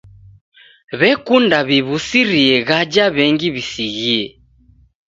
W'ekunda w'iw'usirie ghaja w'engi w'isighie.